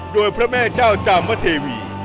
โดยพระแม่เจ้าจามเทวี